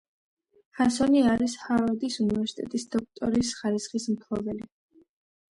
ჰანსონი არის ჰარვარდის უნივერსიტეტის დოქტორის ხარისხის მფლობელი.